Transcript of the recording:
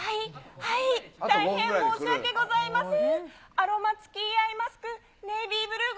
はい、大変申し訳ございません。